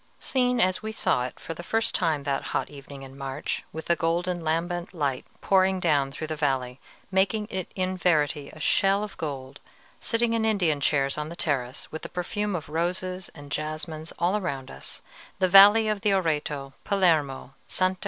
Seen as we saw it for the first time that hot evening in March, with the golden lambent light pouring down through the valley, making it in verity a "shell of gold," sitting in Indian chairs on the terrace, with the perfume of roses and jasmines all around us, the valley of the Oreto, Palermo, Sta.